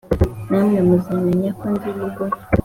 Namwe muzamenya ko ndi yehova